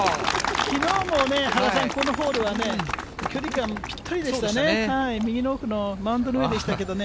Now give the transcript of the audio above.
きのうもね、原さん、このホールはね、距離感ぴったりでしたそうでしたね。